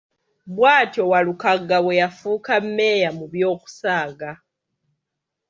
Bw’atyo Walukagga bwe yafuuka mmeeya mu by’okusaaga.